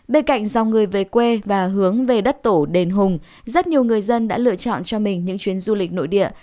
bên cạnh dòng người về quê và hướng về đất tổ đền hùng rất nhiều người dân đã lựa chọn cho mình những chuyến du lịch nội địa